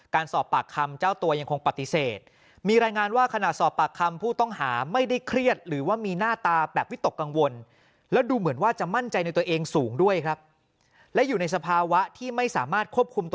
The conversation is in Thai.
การสอบปากคำเจ้าตัวยังคงปฏิเสธ